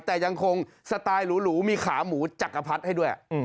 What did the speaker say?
แต่ยังคงสไตล์หรูมีขาหมูจักรพรรดิให้ด้วย